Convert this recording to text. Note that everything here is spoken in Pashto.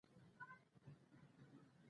د چرګانو فارم جوړول څومره لګښت لري؟